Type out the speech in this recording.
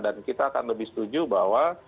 dan kita akan lebih setuju bahwa